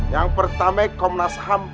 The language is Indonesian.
yang pertama komunas ham